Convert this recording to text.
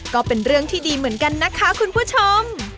ก็เป็นเรื่องที่ดีเหมือนกันนะคะคุณผู้ชม